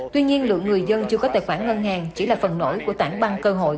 tuy nhiên lượng người dân chưa có tài khoản ngân hàng chỉ là phần nổi của tảng băng cơ hội